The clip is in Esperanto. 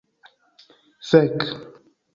Fek'